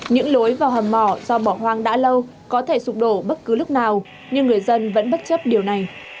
những lối vào hầm mỏ do bỏ hoang đã lâu có thể sụp đổ bất cứ lúc nào nhưng người dân vẫn bất chấp điều này